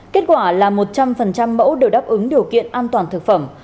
kết quả là một trăm linh mẫu đều đáp ứng điều kiện an toàn thực phẩm